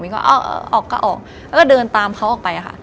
ก็ออกก็ออกแล้วก็เดินตามเขาออกไปค่ะ